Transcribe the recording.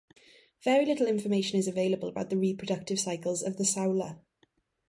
Very little information is available about the reproductive cycles of the saola.